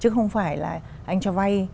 chứ không phải là anh cho vay